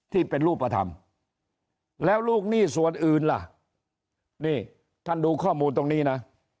ที่เป็นรูปธรรมแล้วลูกหนี้ส่วนอื่นล่ะนี่ท่านดูข้อมูลตรงนี้นะ